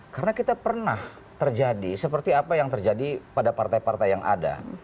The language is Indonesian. karena kita pernah terjadi seperti apa yang terjadi pada partai partai yang ada